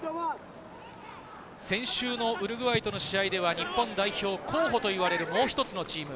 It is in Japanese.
先週のウルグアイとの試合では日本代表候補といわれるもう一つのチーム。